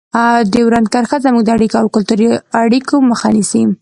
ډیورنډ کرښه زموږ د اړیکو او کلتوري اړیکو مخه نیسي.